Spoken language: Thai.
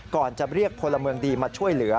จะเรียกพลเมืองดีมาช่วยเหลือ